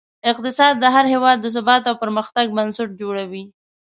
اقتصاد د هر هېواد د ثبات او پرمختګ بنسټ جوړوي.